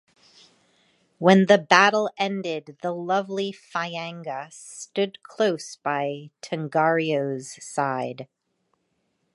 When the battle ended the lovely Pihanga stood close by Tongariro's side.